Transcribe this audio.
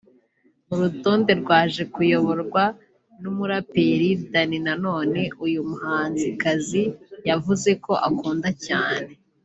urutonde rwaje kuyoborwa n’umuraperi Dany Nanone uyu muhanzikazi yavuze ko akunda cyane